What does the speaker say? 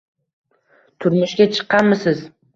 Turmushga chiqqanmisiz?